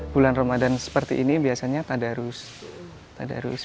bulan ramadan seperti ini biasanya tadarus